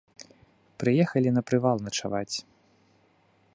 Прыехалі на прывал начаваць.